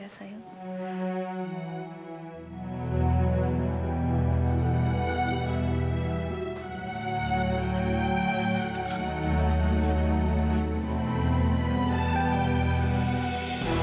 saya sudah berhenti